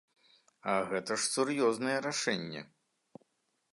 А гэта ж сур'ёзнае рашэнне!